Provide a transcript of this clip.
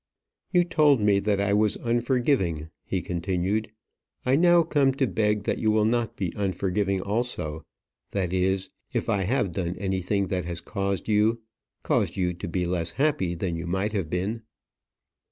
"You told me that I was unforgiving," he continued, "I now come to beg that you will not be unforgiving also; that is, if I have done anything that has caused you caused you to be less happy than you might have been."